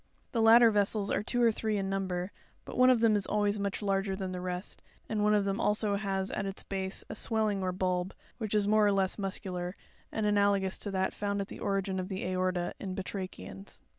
'The latter vessels are two or three in number; but one of them is always much larger than the rest, and one of them also has at its base a swelling or bulb, which is more or less muscular, and analogous to that found at the origin of the aorta in batrachians.